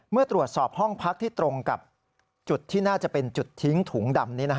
เมื่อตรวจสอบห้องพักที่ตรงกับจุดที่น่าจะเป็นจุดทิ้งถุงดำ